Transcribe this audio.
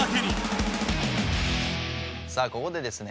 さあここでですね